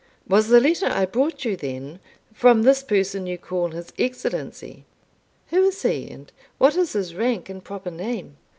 "Was the letter I brought you, then, from this person you call his Excellency? Who is he? and what is his rank and proper name?"